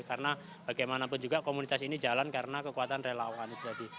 karena bagaimanapun juga komunitas ini jalan karena kekuatan relawan itu tadi